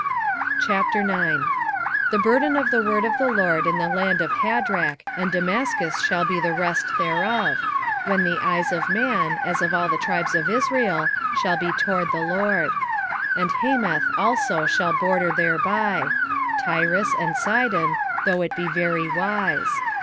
9:1 The burden of the word of the LORD in the land of Hadrach, and Damascus shall be the rest thereof: when the eyes of man, as of all the tribes of Israel, shall be toward the LORD. 9:2 And Hamath also shall border thereby; Tyrus, and Zidon, though it be very wise.